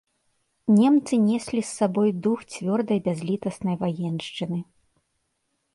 Немцы неслі з сабой дух цвёрдай бязлітаснай ваеншчыны.